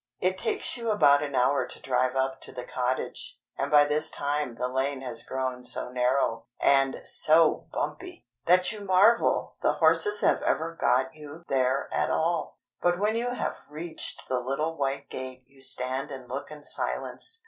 It takes you about an hour to drive up to the cottage, and by this time the lane has grown so narrow—and so bumpy!—that you marvel the horses have ever got you there at all. But when you have reached the little white gate you stand and look in silence.